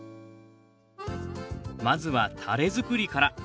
まずはタレ作りから。